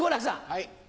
はい。